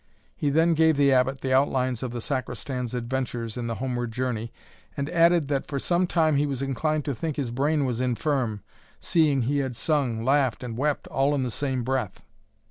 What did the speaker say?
He then gave the Abbot the outlines of the Sacristan's adventures in the homeward journey, and added, that for some time he was inclined to think his brain was infirm, seeing he had sung, laughed, and wept all in the same breath.